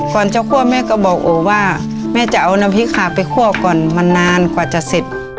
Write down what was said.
ก่อนจะคั่วแม่ก็บอกโอว่าแม่จะเอาน้ำพริกขาไปคั่วก่อนมานานกว่าจะเสร็จ